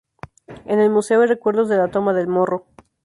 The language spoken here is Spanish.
En el museo, hay recuerdos de la toma del morro.